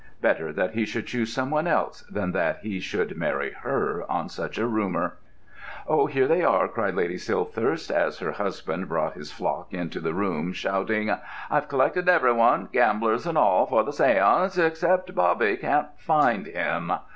Better that he should choose some one else than that he should marry her on such a rumour! "Oh, here they are!" cried Lady Silthirsk, as her husband brought his flock into the room, shouting: "I've collected every one, gamblers and all, for the séance—except Bobby. Can't find him."